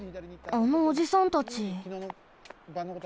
あのおじさんたち。